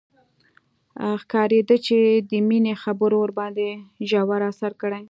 ښکارېده چې د مينې خبرو ورباندې ژور اثر کړی.